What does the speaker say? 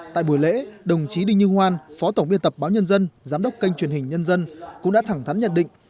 tại buổi lễ đồng chí đinh như hoan phó tổng biên tập báo nhân dân giám đốc kênh truyền hình nhân dân cũng đã thẳng thắn nhận định